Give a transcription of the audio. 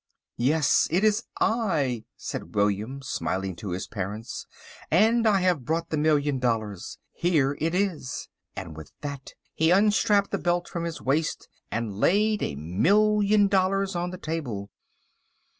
"Yes, it is I," said William, smiling to his parents, "and I have brought the million dollars. Here it is," and with that he unstrapped the belt from his waist and laid a million dollars on the table.